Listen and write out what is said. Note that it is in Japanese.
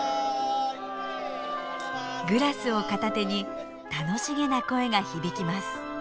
グラスを片手に楽しげな声が響きます。